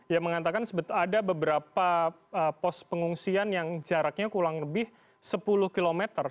yang mengatakan ada beberapa pos pengungsian yang jaraknya kurang lebih sepuluh km